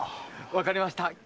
わかりました。